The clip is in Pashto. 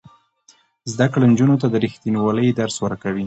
زده کړه نجونو ته د ریښتینولۍ درس ورکوي.